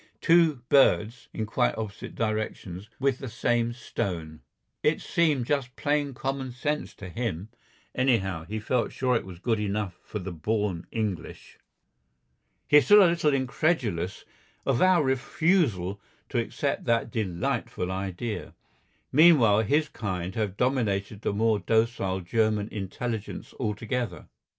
Two birds (in quite opposite directions) with the same stone. It seemed just plain common sense to him. Anyhow, he felt sure it was good enough for the born English.... He is still a little incredulous of our refusal to accept that delightful idea. Meanwhile his kind have dominated the more docile German intelligence altogether.